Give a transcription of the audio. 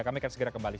kami akan segera kembali